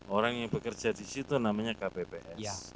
orang yang bekerja di situ namanya kpps